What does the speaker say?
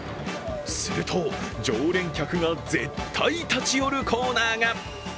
すると、常連客が絶対立ち寄るコーナーが。